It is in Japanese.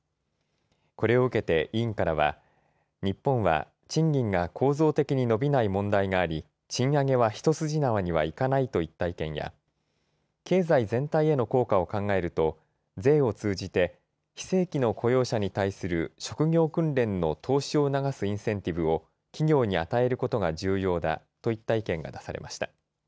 これを受けて委員からは日本は賃金が構造的に伸びない問題があり、賃上げは一筋縄にはいかないといった意見や経済全体への効果を考えると税を通じて非正規の雇用者に対する職業訓練の投資を促すインセンティブを企業に与えることが重要だといった意見が出されました。